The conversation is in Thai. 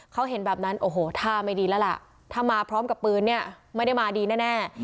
เขาเห็นแบบนั้นโอ้โหท่าไม่ดีแล้วล่ะถ้ามาพร้อมกับปืนเนี่ยไม่ได้มาดีแน่